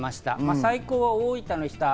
最高は大分の日田。